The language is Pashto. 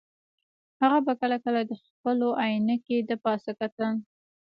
هغه به کله کله د خپلو عینکې د پاسه کتل